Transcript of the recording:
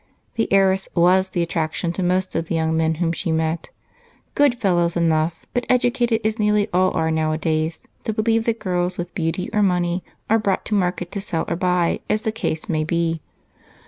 The heiress was the attraction to most of the young men whom she met. Good fellows enough, but educated, as nearly all are nowadays, to believe that girls with beauty or money are brought to market to sell or buy as the case may be.